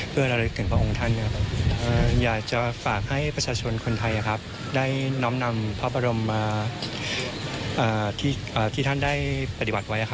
เพื่อระลึกถึงพระองค์ท่านอยากจะฝากให้ประชาชนคนไทยได้น้อมนำพระบรมมาที่ท่านได้ปฏิบัติไว้